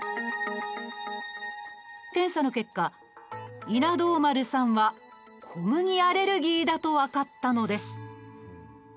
検査の結果、稲童丸さんは小麦アレルギーだと分かったのです。